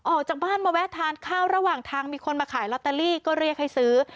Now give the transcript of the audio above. ออกจากบ้านมาแวะทานข้าวระหว่างทางมีคนมาขายลอตเตอรี่ก็เรียกให้ซื้อ